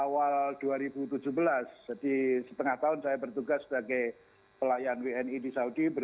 jadi setengah tahun saya bertugas sebagai pelayan wni di saudi